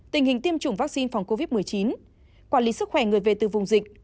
tình hình tiêm chủng vaccine phòng covid một mươi chín quản lý sức khỏe người về từ vùng dịch